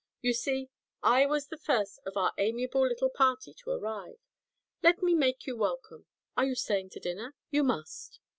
You see, I was the first of our amiable little party to arrive. Let me make you welcome. Are you staying to dinner? You must."